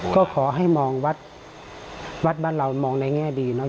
ก็ขอให้มองวัดวัดบ้านเรามองในแง่ดีเนอ